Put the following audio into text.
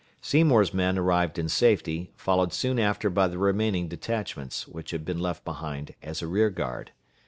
Seymour's men arrived in safety, followed soon after by the remaining detachments, which had been left behind as a rear guard.